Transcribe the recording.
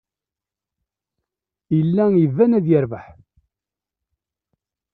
Yella iban ad yerbeḥ.